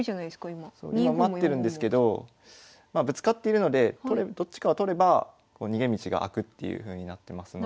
今埋まってるんですけどぶつかっているのでどっちかを取れば逃げ道が開くっていうふうになってますので。